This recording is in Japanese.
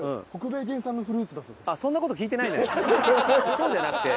そうじゃなくて。